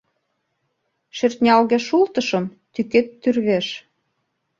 Шӧртнялге шултышым тӱкет тӱрвеш.